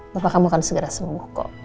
bapak kamu akan segera sembuh kok